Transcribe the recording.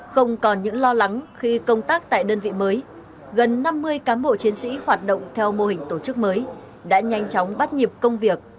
không còn những lo lắng khi công tác tại đơn vị mới gần năm mươi cán bộ chiến sĩ hoạt động theo mô hình tổ chức mới đã nhanh chóng bắt nhịp công việc